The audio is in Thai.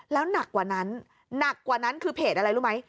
แล้วหนักกว่านั้นหนักกว่านั้นคือเพจอะไรรู้ไหม